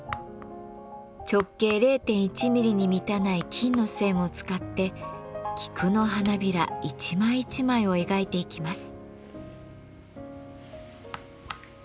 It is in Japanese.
直径０．１ミリに満たない金の線を使って菊の花びら一枚一枚を描いていきます。